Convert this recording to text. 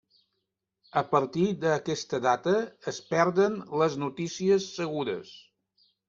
A partir d'aquesta data es perden les notícies segures.